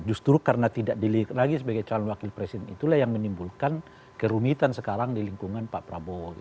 justru karena tidak dilirik lagi sebagai calon wakil presiden itulah yang menimbulkan kerumitan sekarang di lingkungan pak prabowo